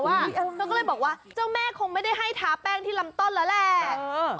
เธอก็เลยบอกว่าเจ้าแม่คงไม่ได้ให้ทาแป้งที่ลำต้นแล้วแหละ